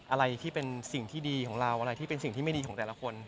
อะไรที่เป็นสิ่งที่ดีของเราอะไรที่เป็นสิ่งที่ไม่ดีของแต่ละคน